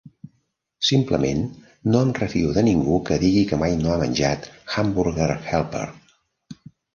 Simplement no em refio de ningú que digui que mai no ha menjat Hamburger Helper.